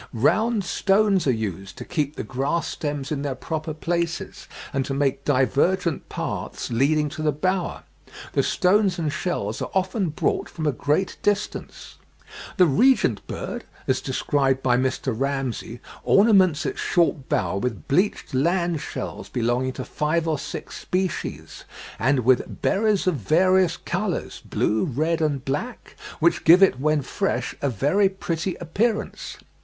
Round stones are used to keep the grass stems in their proper places, and to make divergent paths leading to the bower. The stones and shells are often brought from a great distance. The Regent bird, as described by Mr. Ramsay, ornaments its short bower with bleached land shells belonging to five or six species, and with "berries of various colours, blue, red, and black, which give it when fresh a very pretty appearance.